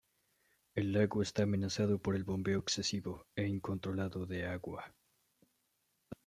El lago está amenazado por el bombeo excesivo e incontrolado de agua.